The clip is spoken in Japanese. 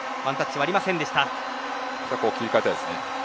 ここは切り替えたいですね。